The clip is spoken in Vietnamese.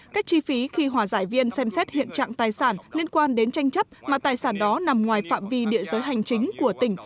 các chi phí khi hòa giải viên xem xét hiện trạng tài sản liên quan đến tranh chấp mà tài sản đó nằm ngoài phạm vi địa giới hành chính của tỉnh